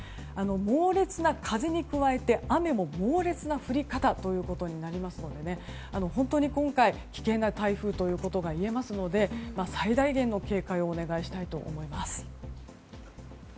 猛烈な風に加えて雨も猛烈な降り方になりますので本当に今回危険な台風といえますので最大限の警戒をお願いしたいと思います。